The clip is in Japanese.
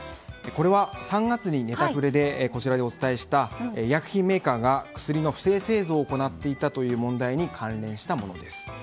これは３月にネタプレでお伝えした、医薬品メーカーが薬の不正製造を行っていたという問題に関連したものです。